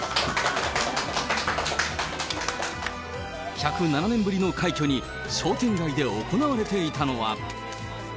１０７年ぶりの快挙に、商店街で行われていたのは。